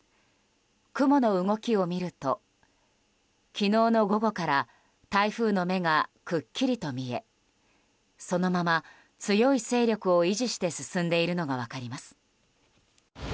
雲の動きを見ると昨日の午後から台風の目がくっきりと見えそのまま強い勢力を維持して進んでいるのが分かります。